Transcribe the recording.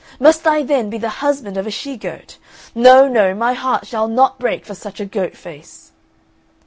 Must I then be the husband of a she goat? No, no, my heart shall not break for such a goat face!"